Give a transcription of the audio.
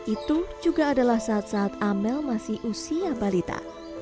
itu juga adalah saat saat amel masih usia balita